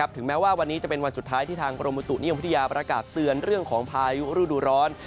ถึงแม้ว่าวันนี้จะเป็นวันสุดท้ายที่ทางกรมบุตุนิยมวิทยาประกาศเตือนเรื่องของพายุฤดูร้อน